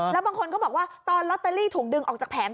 แล้วบางคนก็บอกว่าตอนลอตเตอรี่ถูกดึงออกจากแผง